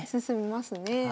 進みますね。